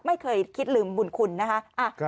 ไม่เคยคิดลืมบุญคุณนะคะ